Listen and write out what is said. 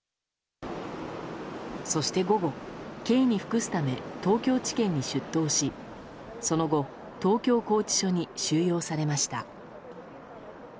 そして、午後刑に服すため東京地検に出頭しその後東京拘置所に収容されました。